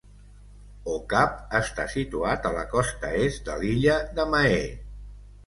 Au Cap està situat a la costa est de l'illa de Mahé.